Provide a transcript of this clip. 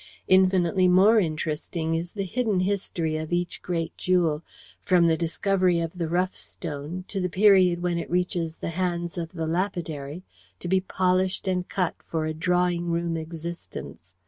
Infinitely more interesting is the hidden history of each great jewel, from the discovery of the rough stone to the period when it reaches the hands of the lapidary, to be polished and cut for a drawing room existence.